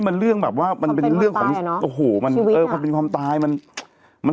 เป็นเรื่องความตาย